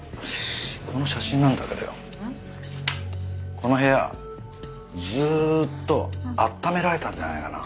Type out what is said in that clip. この部屋ずーっと暖められたんじゃないかな。